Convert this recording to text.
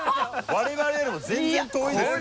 我々よりも全然遠いですよ。